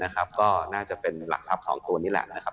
ก็น่าจะเป็นหลักทรัพย์๒ตัวนี่แหละนะครับ